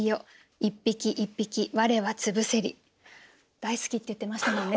大好きって言ってましたもんね